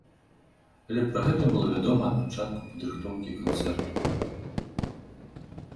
Але пра гэта было вядома ад пачатку падрыхтоўкі канцэрту.